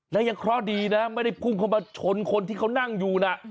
และยังเคราะห์ดีนะไม่ได้พุ่งเข้ามาชนคนที่เขานั่งอยู่นะ